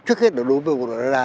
trước hết nó đối với bộ đoàn đà